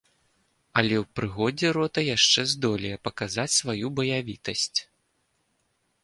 Але ў прыгодзе рота яшчэ здолее паказаць сваю баявітасць.